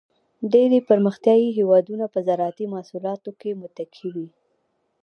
ډېری پرمختیایي هېوادونه په زراعتی محصولاتو متکی وي.